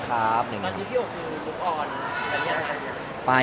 แล้วถ่ายละครมันก็๘๙เดือนอะไรอย่างนี้